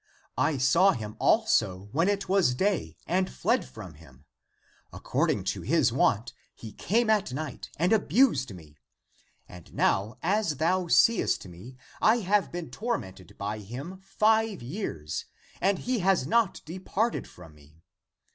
I saw him also when it was day, and fled from him. According to his wont, he came at night and abused me. And now as thou seest me, I have been tor mented by him five years, and he has not departed from me.